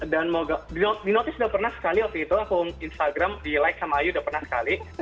dan di notice udah pernah sekali waktu itu aku instagram di like sama iu udah pernah sekali